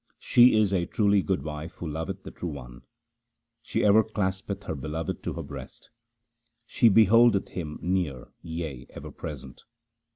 She is a truly good wife who loveth the True One ; She ever claspeth her Beloved to her breast. She beholdeth him near, yea, ever present.